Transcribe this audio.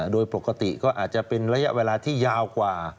โดยปกติก็อาจจะเป็นระยะเวลาที่ยาวกว่า